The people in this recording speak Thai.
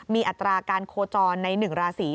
มีอัตราการโคจรใน๑ราศี